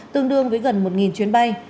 tương đương với gần một chuyến bay